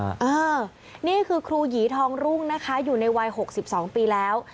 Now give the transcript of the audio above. นี่คือครูหยีทองรุ่งนะคะอยู่ในวัย๖๒ปีแล้ว